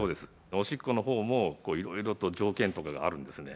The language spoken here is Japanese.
オシッコの方もいろいろと条件とかがあるんですね